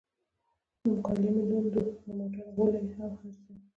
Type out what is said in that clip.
کالي مې لوند و، د موټر غولی هم هر ځل.